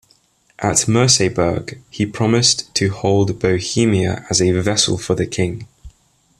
At Merseburg, he promised to hold Bohemia as a vassal of the king.